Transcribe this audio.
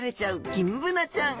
ギンブナちゃん。